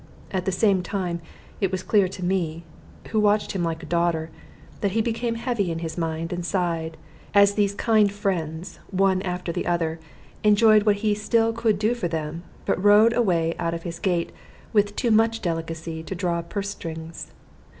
At the same time it was clear to me, who watched him like a daughter, that he became heavy in his mind, and sighed, as these kind friends, one after the other, enjoyed what he still could do for them, but rode away out of his gate with too much delicacy to draw purse strings.